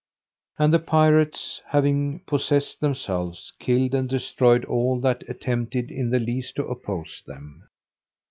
And the pirates having possessed themselves, killed and destroyed all that attempted in the least to oppose them.